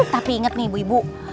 tapi inget nih ibu ibu